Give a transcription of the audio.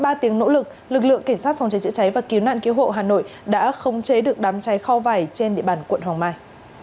sau hơn ba tiếng nỗ lực lực lượng cảnh sát phòng chế chữa cháy và cứu nạn cứu hộ hà nội đã không chế được đám cháy kho vải trên địa bàn quận hồng mai